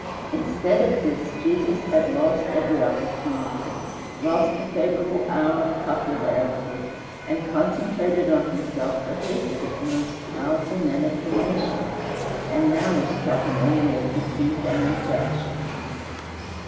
Instead of this, Jesus had lost every opportunity, lost the favorable hour of popularity, and concentrated on himself the hatred of the most powerful men of the nation, and now was talking only of defeat and rejection.